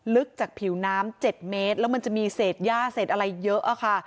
ลึกจากผิวน้ำ๗เมตรแล้วมันจะมีเศษย่าเศษอะไรเยอะอะค่ะ